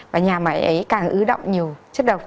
và nhà máy ấy càng ưu động nhiều chất độc